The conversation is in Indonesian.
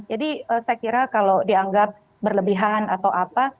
jadi saya kira kalau dianggap berlebihan atau apa